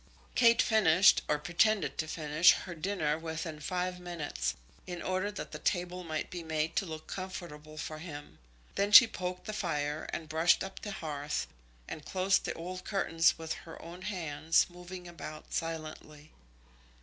Kate finished, or pretended to finish, her dinner within five minutes, in order that the table might be made to look comfortable for him. Then she poked the fire, and brushed up the hearth, and closed the old curtains with her own hands, moving about silently.